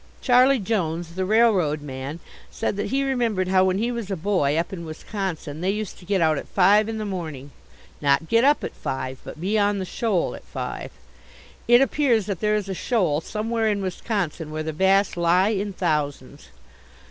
Charlie Jones, the railroad man, said that he remembered how when he was a boy, up in Wisconsin, they used to get out at five in the morning not get up at five but be on the shoal at five. It appears that there is a shoal somewhere in Wisconsin where the bass lie in thousands.